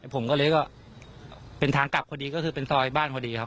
ผมก็เลยว่าเป็นทางกลับพอดีก็คือเป็นซอยบ้านพอดีครับ